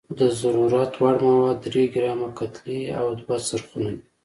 د ضرورت وړ مواد درې ګرامه کتلې او دوه څرخونه دي.